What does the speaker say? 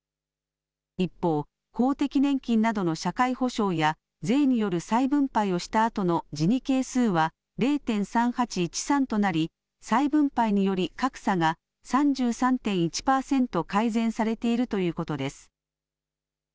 一方、公的年金などの社会保障や、税による再分配をしたあとのジニ係数は０．３８１３となり、再分配により格差が３３．１％改善されているということです。